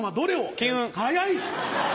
早い！